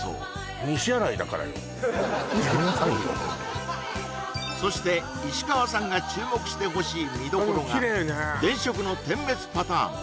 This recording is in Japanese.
ホントにそして石川さんが注目してほしい見どころが電飾の点滅パターン